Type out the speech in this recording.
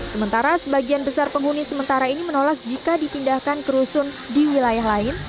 sementara sebagian besar penghuni sementara ini menolak jika dipindahkan ke rusun di wilayah lain